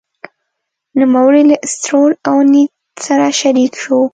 نوموړی له ستروټ او نیډ سره شریک شو.